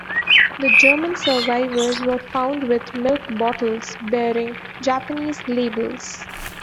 The German survivors were found with milk bottles bearing Japanese labels.